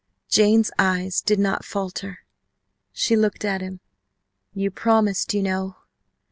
Jane's eyes did not falter. She looked at him, "You promised, you know